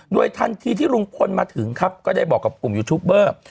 โดยทันทีที่ลุงพลมาถึงครับก็ได้บอกกับกลุ่มยูทูปเบอร์